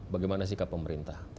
bagaimana sikap pemerintah